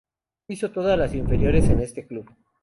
Hizo todas las inferiores en este Club.